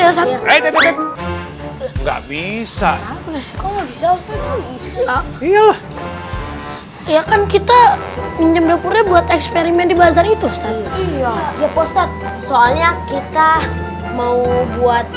ya nggak bisa ya kan kita minjem dapurnya buat eksperimen di bazar itu soalnya kita mau buat